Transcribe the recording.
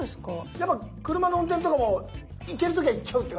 やっぱ車の運転とかも行ける時は行っちゃうって感じですか？